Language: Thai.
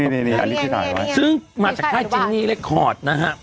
นี่นี่ซึ่งมาจากค่ายเจนี่เล็กคอร์ดนะครับ